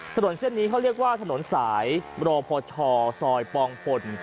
ถนนเส้นนี้เขาเรียกว่าถนนสายรพชซอยปองพล